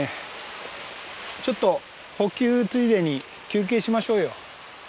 ちょっと補給ついでに休憩しましょうよ。